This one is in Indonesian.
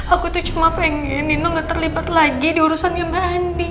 aku tuh cuma pengen nino gak terlibat lagi di urusannya mbak andi